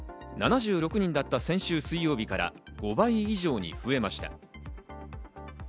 ７６人だった先週水曜日から５倍以上に増えました。